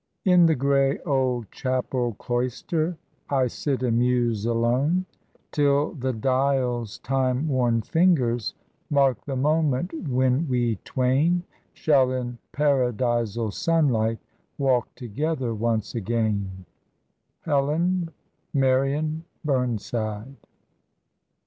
"In the grey old chapel cloister I sit and muse alone, Till the dial's time worn fingers Mark the moment when we twain Shall in paradisal sunlight Walk together, once again." HELEN MARION BURNSIDE.